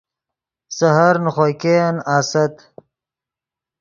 سحر نے خوئے ګئین آست